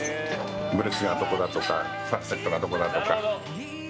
ブレスがどこがとかファルセットがどこがとか。